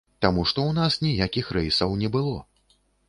Таму што ў нас ніякіх рэйсаў не было.